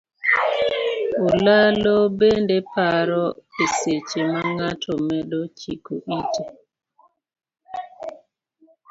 Olalo bende paro e seche ma ng'ato medo chiko ite.